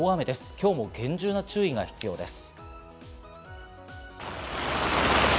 今日も厳重な注意が必要です。